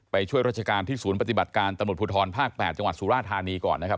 ช่วยราชการที่ศูนย์ปฏิบัติการตำรวจภูทรภาค๘จังหวัดสุราธานีก่อนนะครับ